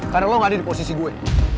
karena lo gak ada di posisi gue